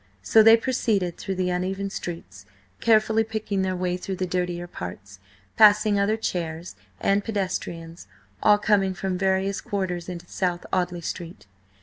So they proceeded through the uneven streets, carefully picking their way through the dirtier parts, passing other chairs and pedestrians, all coming from various quarters into South Audley Street.